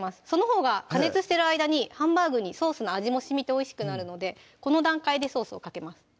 そのほうが加熱してる間にハンバーグにソースの味もしみておいしくなるのでこの段階でソースをかけます